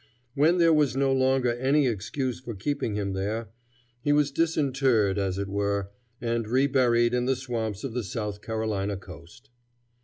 When there was no longer any excuse for keeping him there, he was disinterred, as it were, and reburied in the swamps of the South Carolina coast.